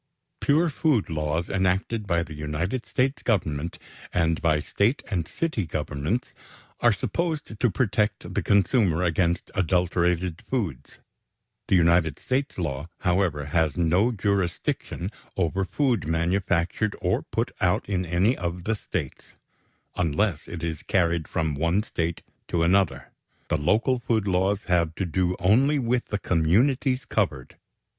= Pure food laws enacted by the United States Government, and by State and City Governments, are supposed to protect the consumer against adulterated foods. The United States law, however, has no jurisdiction over food manufactured or put out in any of the States, unless it is carried from one State to another. The local food laws have to do only with the communities covered.